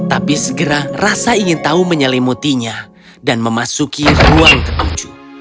tapi segera rasa ingin tahu menyelimutinya dan memasuki ruang ketujuh